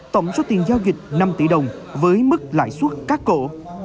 tổng số tiền giao dịch năm tỷ đồng với mức lãi suất cắt cổ